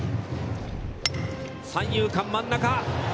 三遊間、真ん中。